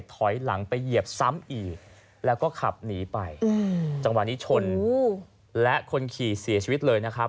ถอยหลังไปเหยียบซ้ำอีกแล้วก็ขับหนีไปจังหวะนี้ชนและคนขี่เสียชีวิตเลยนะครับ